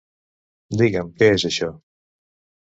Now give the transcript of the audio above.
Diguem, què és això?